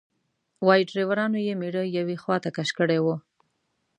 وایي ډریورانو یې میړه یوې خواته کش کړی و.